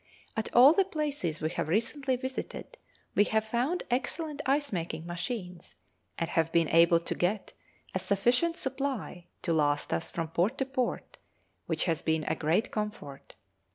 At all the places we have recently visited we have found excellent ice making machines, and have been able to get a sufficient supply to last us from port to port, which has been a great comfort.